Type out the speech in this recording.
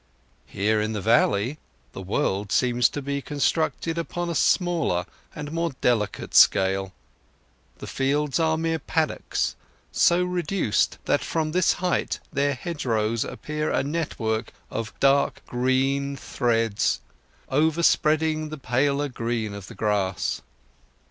Here, in the valley, the world seems to be constructed upon a smaller and more delicate scale; the fields are mere paddocks, so reduced that from this height their hedgerows appear a network of dark green threads overspreading the paler green of the grass.